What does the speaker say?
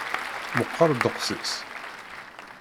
Meqqer ddeqs-is?